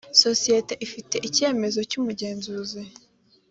sosiyete ifite icyemezo cy’umugenzuzi